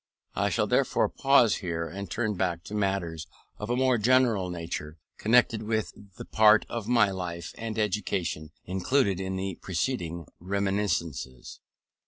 I shall therefore pause here, and turn back to matters of a more general nature connected with the part of my life and education included in the preceding reminiscences.